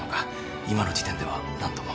今の時点では何とも。